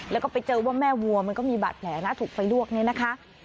แล้วก็ไปเจอว่าแม่วัวมันก็มีบาดแผลนะถูกไฟลวกเนี่ยนะคะ